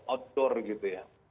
outdoor gitu ya